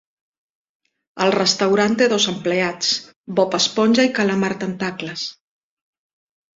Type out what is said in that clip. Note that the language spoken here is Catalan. El restaurant té dos empleats: Bob Esponja i Calamard Tentacles.